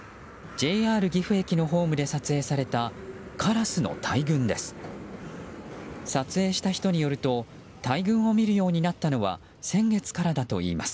ＪＲ岐阜駅のホームで撮影されたカラスの大群です。